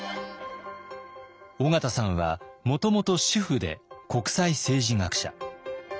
緒方さんはもともと主婦で国際政治学者。